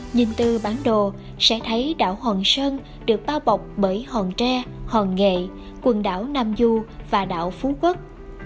nhìn từ bản đồ sẽ thấy đảo hòn sơn được bao bọc bởi hòn tre hòn nghệ quần đảo nam du và đảo phú quốc